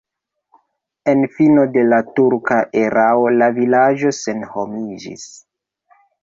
En fino de la turka erao la vilaĝo senhomiĝis.